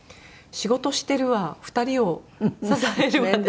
仕事してるわ２人を支えるわで。